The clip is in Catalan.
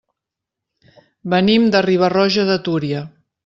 Venim de Riba-roja de Túria.